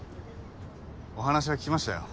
お話は聞きましたよ。